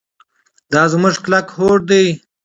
دا زموږ کلک هوډ دی.